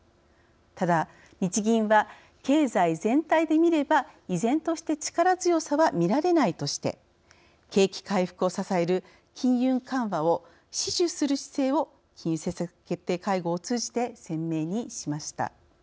ただ、日銀は経済全体で見れば依然として力強さは見られないとして景気回復を支える金融緩和を死守する姿勢を金融政策決定会合を通じて鮮明にしました。